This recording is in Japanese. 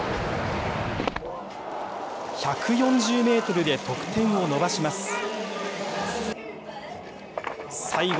１４０メートルで得点を伸ばします。